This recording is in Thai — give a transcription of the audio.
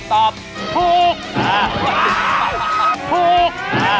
ตอบถูกถูกถูก